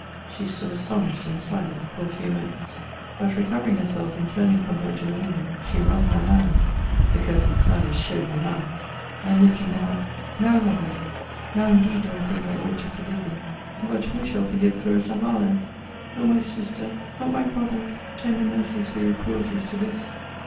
She stood astonished and silent for a few moments. But recovering herself, and turning from her to the window, she wrung her hands [the cursed Sally showed me how!] and lifting them up Now, Lovelace: now indeed do I think I ought to forgive thee! But who shall forgive Clarissa Harlowe! O my sister! O my brother! Tender mercies were your cruelties to this!